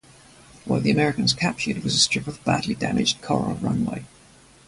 What the Americans captured was a strip of badly-damaged coral runway.